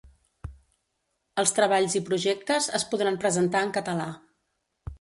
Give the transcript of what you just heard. Els treballs i projectes es podran presentar en català.